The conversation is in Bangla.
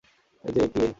কিন্তু এ কী এ!